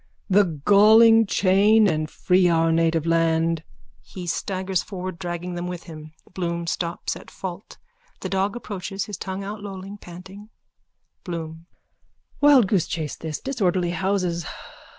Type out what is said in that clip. _ The galling chain. And free our native land. _(He staggers forward, dragging them with him. Bloom stops, at fault. The dog approaches, his tongue outlolling, panting.)_ BLOOM: Wildgoose chase this. Disorderly houses.